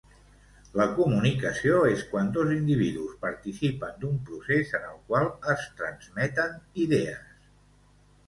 La comunicació és quan dos individus participen d'un procés en el qual es transmeten idees.